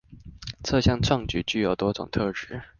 這項創舉具有多種特質